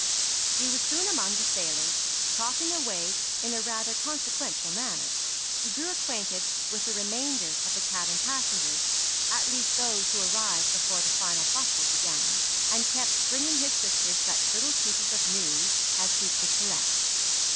He was soon among the sailors, talking away in a rather consequential manner. He grew acquainted with the remainder of the cabin passengers, at least those who arrived before the final bustle began; and kept bringing his sister such little pieces of news as he could collect.